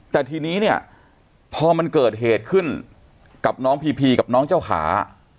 แต่ทีนี้เนี่ยพอมันเกิดเหตุขึ้นกับน้องพีพีกับน้องเจ้าขา